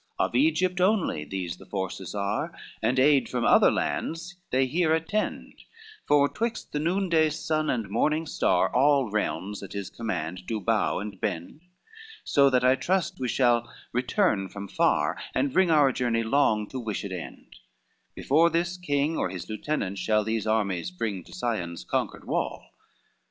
XIII "Of Egypt only these the forces are, And aid from other lands they here attend, For twixt the noon day sun and morning star, All realms at his command do bow and bend; So that I trust we shall return from far, And bring our journey long to wished end, Before this king or his lieutenant shall These armies bring to Zion's conquered wall."